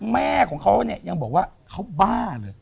แม่ของเขาเนี่ยยังบอกว่าเขาบ้าเลย